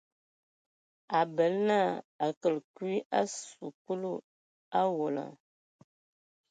A bələ na a kələ kui a sikulu owola.